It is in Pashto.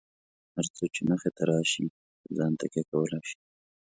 هر څه چې مخې ته راشي، په ځان تکیه کولای شئ.